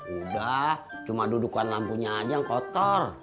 udah cuma dudukan lampunya aja yang kotor